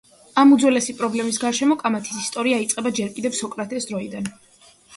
ამ უძველესი პრობლემის გარეშემო კამათის ისტორია იწყება ჯერ კიდევ სოკრატეს დროიდან.